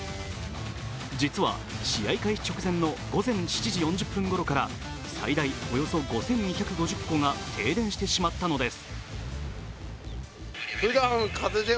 実は試合開始直前の午前７時４０分ごろから最大およそ５２５０戸が停電してしまったのです。